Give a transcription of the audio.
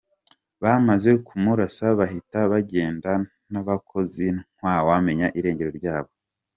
Bamaze kumurasa bahita bagenda na ba bakozi, ntawamenye irengero ryabo.